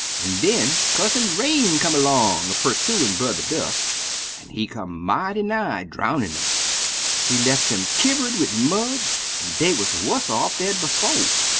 "An' den Cousin Rain come 'long, a pursuin' Brer Dust, an' he come mighty nigh drownin' um. He left um kivver'd wid mud, an' dey wuz wuss off dan befo'.